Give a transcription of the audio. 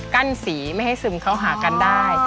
สีไม่ให้ซึมเข้าหากันได้